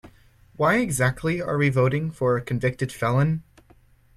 Why exactly are we voting for a convicted felon?